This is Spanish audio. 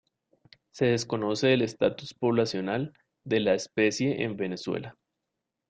Se desconoce el estatus poblacional de la especie en Venezuela.